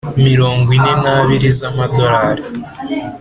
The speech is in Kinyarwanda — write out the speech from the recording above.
Mirongo ine n abiri z amadolari